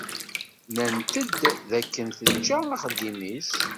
Nnant-d d akken teǧǧa axeddim-is.